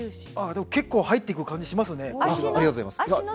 結構入っていく感じがしますね。